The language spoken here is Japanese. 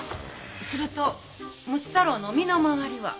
すると睦太郎の身の回りは？